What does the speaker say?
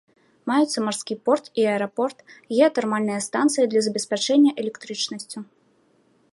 Маюцца марскі порт і аэрапорт, геатэрмальныя станцыі для забеспячэння электрычнасцю.